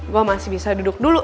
gue masih bisa duduk dulu